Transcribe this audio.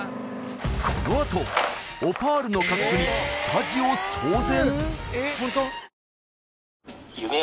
このあとオパールの価格にスタジオ騒然！？